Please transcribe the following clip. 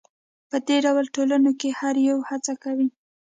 په دې ډول ټولنو کې هر یو هڅه کوي.